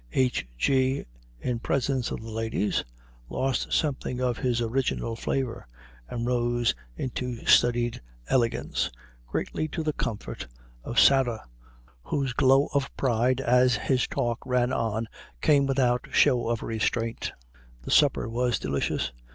H. G., in presence of the ladies, lost something of his original flavor, and rose into studied elegance, greatly to the comfort of Sarah, whose glow of pride as his talk ran on came without show of restraint. The supper was delicious.